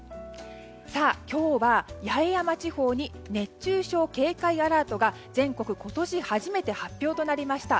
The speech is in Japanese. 今日は八重山地方に熱中症警戒アラートが全国今年初めて発表となりました。